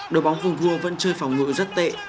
đội bóng vùng vua vẫn chơi phòng ngự rất tệ